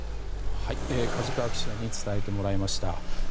梶川記者に伝えてもらいました。